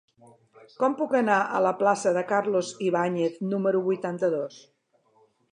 Com puc anar a la plaça de Carlos Ibáñez número vuitanta-dos?